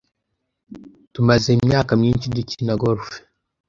Tumaze imyaka myinshi dukina golf.